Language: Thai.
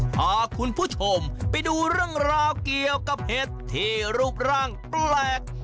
พาคุณผู้ชมไปดูเรื่องราวเกี่ยวกับเห็ดที่รูปร่างแปลก